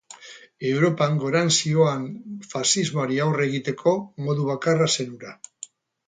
Europan gorantz zihoan faxismoari aurre egiteko modu bakarra zen hura.